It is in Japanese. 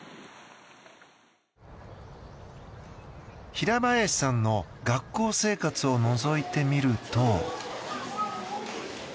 平林さんの学校生活をのぞいてみると。